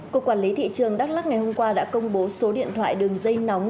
cục quản lý thị trường đắk lắc ngày hôm qua đã công bố số điện thoại đường dây nóng